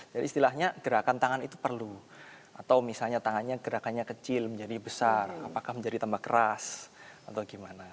jadi istilahnya gerakan tangan itu perlu atau misalnya tangannya gerakannya kecil menjadi besar apakah menjadi tambah keras atau gimana